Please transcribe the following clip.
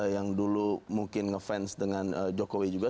yang dulu mungkin ngefans dengan jokowi juga